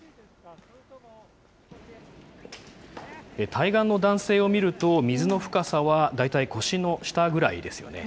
対岸の男性を見ると、水の深さは大体腰の下ぐらいですよね。